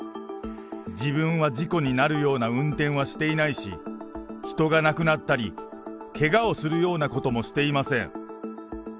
自分は事故になるような運転はしていないし、人が亡くなったり、けがをするようなこともしていません。